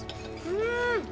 うん！